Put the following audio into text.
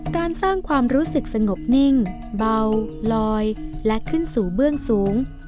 การสร้างความรู้สึกสงบนิ่งเบาลอยและขึ้นสู่เบื้องสูง